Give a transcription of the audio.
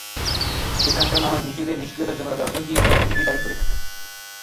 সেখানকার মানুষ নিজেদের নিষ্ক্রিয়তার জন্য তাদের অর্থনীতির শ্লথগতিকেই দায়ী করে থাকে।